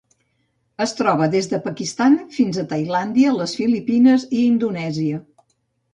Es troba des del Pakistan fins a Tailàndia, les Filipines i Indonèsia.